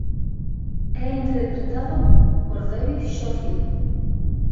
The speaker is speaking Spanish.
Es interpretado por David Schofield.